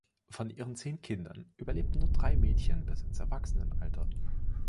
Von ihren zehn Kindern überlebten nur drei Mädchen bis ins Erwachsenenalter.